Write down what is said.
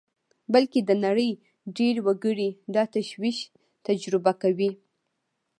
بلکې د نړۍ ډېری وګړي دا تشویش تجربه کوي